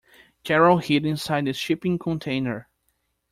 Carol hid inside the shipping container.